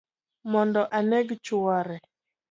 Mondo aneg chuore